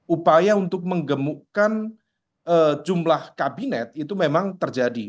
upaya untuk menggemukkan jumlah kabinet itu memang terjadi